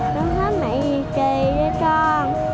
con thấy mẹ gì kỳ đây con